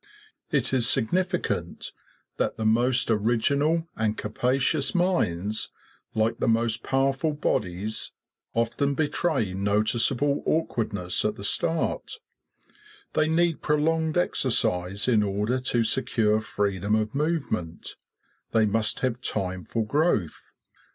It is significant that the most original and capacious minds, like the most powerful bodies, often betray noticeable awkwardness at the start; they need prolonged exercise in order to secure freedom of movement; they must have time for growth.